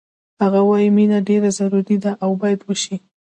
هغه وایی مینه ډېره ضروري ده او باید وشي